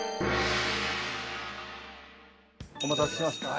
お待たせしました。